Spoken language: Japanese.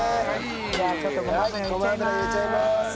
じゃあちょっとごま油入れちゃいます。